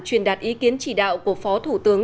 truyền đạt ý kiến chỉ đạo của phó thủ tướng